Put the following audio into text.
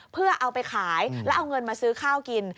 เพื่อเอาไปขายแล้วเอาเงินมาซื้อข้าวกิน